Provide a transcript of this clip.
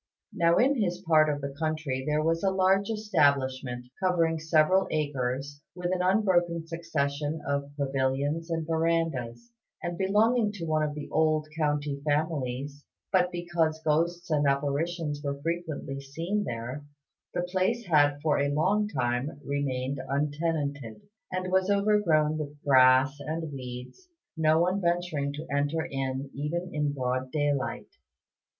Now in his part of the country there was a large establishment, covering several acres, with an unbroken succession of pavilions and verandahs, and belonging to one of the old county families; but because ghosts and apparitions were frequently seen there, the place had for a long time remained untenanted, and was overgrown with grass and weeds, no one venturing to enter in even in broad daylight.